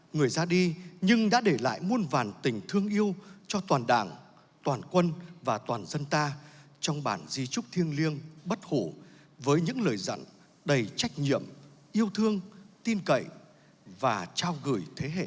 người ra đi nhưng đã để lại muôn vàn tình thương yêu cho toàn đảng toàn quân và toàn dân ta trong bản di trúc thiêng liêng bất hủ với những lời dặn đầy trách nhiệm yêu thương tin cậy và trao gửi